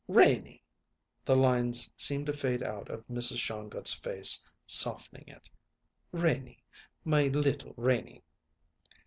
"Renie!" The lines seemed to fade out of Mrs. Shongut's face, softening it. "Renie! My little Renie!"